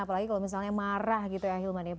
apalagi kalau misalnya marah gitu ya hilman ya